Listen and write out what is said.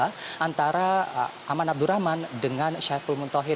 dengan ahmad abdurrahman dengan saiful muntohir